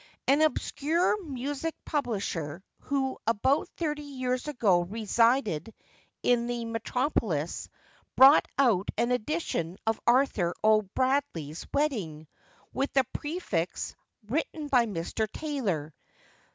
An obscure music publisher, who about thirty years ago resided in the Metropolis, brought out an edition of Arthur O'Bradley's Wedding, with the prefix 'Written by Mr. Taylor.